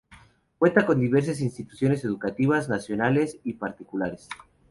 Cuenta con diversas instituciones educativas nacionales y particulares.